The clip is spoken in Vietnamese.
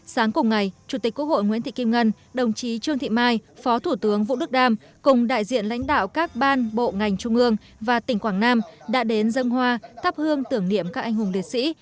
sáng cùng ngày chủ tịch quốc hội nguyễn thị kim ngân đồng chí trương thị mai phó thủ tướng vũ đức đam cùng đại diện lãnh đạo các ban bộ ngành trung ương và tỉnh quảng nam đã đến dân hoa thắp hương tưởng niệm các anh hùng liệt sĩ